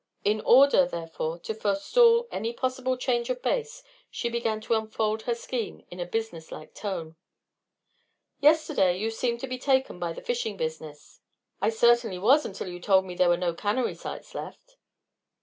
In order, therefore, to forestall any possible change of base, she began to unfold her scheme in a business like tone: "Yesterday you seemed to be taken by the fishing business." "I certainly was until you told me there were no cannery sites left."